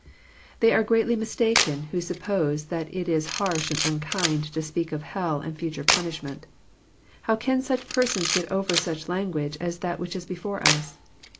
Thiy are greatly mistaken who suppose that it is harsh and unkind to speak of hell and future punishment. How can such persons get over such language as that which is before us?